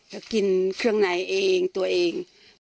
ก็กินเครื่องในเองตัวเอง